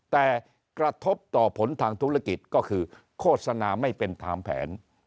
แต่กระทบต่อผลทางธุรกิจก็คือโฆษณาไม่เป็นตามแผน